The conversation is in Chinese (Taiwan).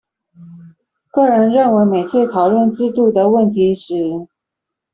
個人認為每次討論制度的問題時